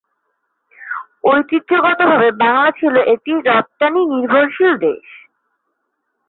ঐতিহ্যগতভাবে বাংলা ছিল একটি রফতানি নির্ভরশীল দেশ।